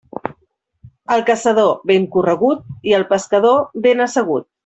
El caçador, ben corregut, i el pescador, ben assegut.